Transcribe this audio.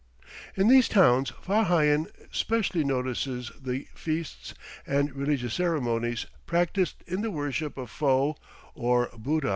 In these towns Fa Hian specially notices the feasts and religious ceremonies practised in the worship of Fo or Buddha.